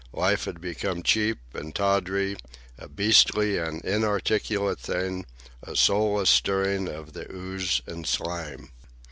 Life had become cheap and tawdry, a beastly and inarticulate thing, a soulless stirring of the ooze and slime.